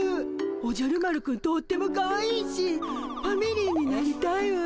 おじゃる丸くんとってもかわいいしファミリーになりたいわ。